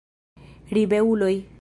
Ribeuloj